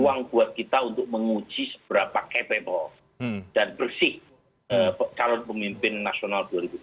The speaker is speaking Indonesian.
ruang buat kita untuk menguji seberapa capable dan bersih calon pemimpin nasional dua ribu dua puluh